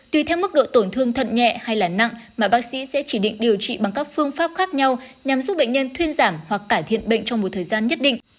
tùy theo mức độ tổn thương thận nhẹ hay là nặng mà bác sĩ sẽ chỉ định điều trị bằng các phương pháp khác nhau nhằm giúp bệnh nhân thuyên giảm hoặc cải thiện bệnh trong một thời gian nhất định